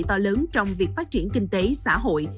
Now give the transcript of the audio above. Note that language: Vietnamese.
có nhiều giá trị to lớn trong việc phát triển kinh tế xã hội